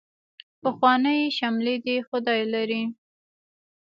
پخوانۍ شملې دې خدای لري.